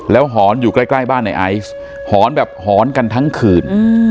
หอนอยู่ใกล้บ้านในไอซ์หอนแบบหอนกันทั้งคืน